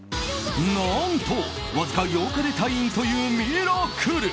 何とわずか８日で退院というミラクル。